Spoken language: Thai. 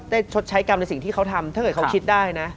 ทนายตั้มจะ๕๐เช่นเดียวกัน